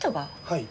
はい。